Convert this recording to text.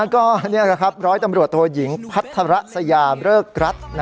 ก็นี่แหละครับร้อยตำรวจโทยิงพัฒระสยามเริกรัฐ